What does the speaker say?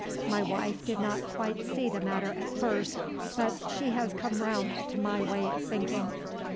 My wife did not quite see the matter at first, but she has come round to my way of thinking.